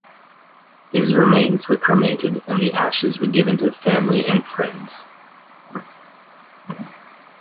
His remains were cremated, and the ashes were given to family and friends.